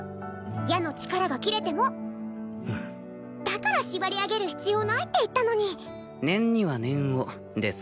矢の力が切れてもだから縛り上げる必要ないって言ったのに念には念をです